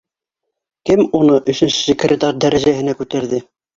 Кем уны өсөнсө секретарь дәрәжәһенә күтәрҙе?